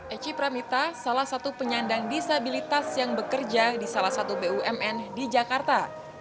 eci pramita salah satu penyandang disabilitas yang bekerja di salah satu bumn di jakarta